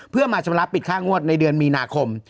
เพื่อมาชำระปิดค่างวดในเดือนมีนาคม